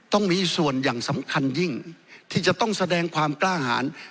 ต้องมีส่วนอย่างสำคัญยิ่งที่จะต้องแสดงความกล้าหาร